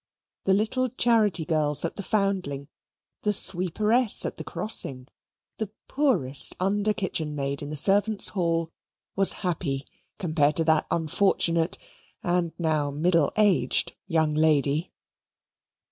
The little charity girls at the Foundling, the sweeperess at the crossing, the poorest under kitchen maid in the servants' hall, was happy compared to that unfortunate and now middle aged young lady.